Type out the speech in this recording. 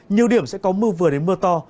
nhiều điểm sẽ có mưa vừa đến mưa to